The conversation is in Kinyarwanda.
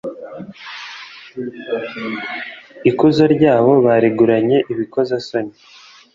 Ikuzo ryabo bariguranye ibikozasoni.